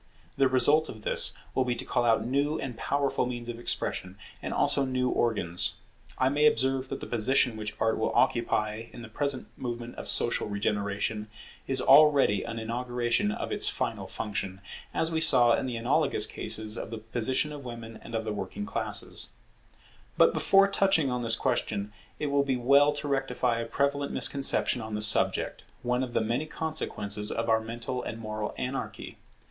The result of this will be to call out new and powerful means of expression, and also new organs. I may observe that the position which Art will occupy in the present movement of social regeneration is already an inauguration of its final function; as we saw in the analogous cases of the position of women and of the working classes. [Esthetic talent is for the adornment of life, not for its government] But before touching on this question it will be well to rectify a prevalent misconception on the subject, one of the many consequences of our mental and moral anarchy.